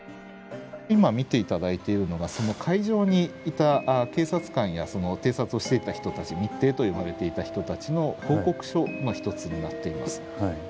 今見て頂いているのがその会場にいた警察官やその偵察をしていた人たち密偵と呼ばれていた人たちの報告書の一つになっています。